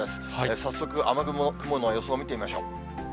早速、雨雲、雲の予想を見てみましょう。